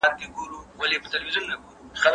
بد فکر بد عمل راولي